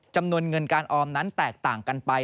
จำนวนเงินการออมนั้นแตกต่างกันไป